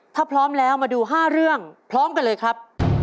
ถ้าพร้อมแล้วมาดู๕เรื่องพร้อมกันเลยครับ